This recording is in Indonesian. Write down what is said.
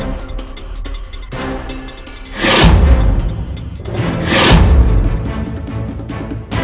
mas rasha tunggu